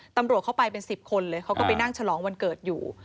ตำรวจเข้าไปเป็น๑๐คนเลยเขาก็ไปนั่งฉลองวันเกิดอยู่